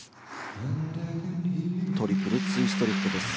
トリプルツイストリフトです。